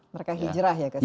mereka hijrah ya ke sana